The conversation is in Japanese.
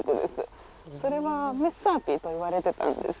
それはメッサーピと言われてたんです。